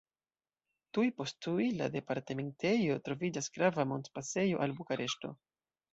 Tuj post tuj la departementejo troviĝas grava montpasejo al Bukareŝto.